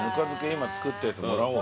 今作ったやつもらおう。